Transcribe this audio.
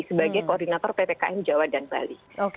sebagai koordinator ppkm jawa dan bali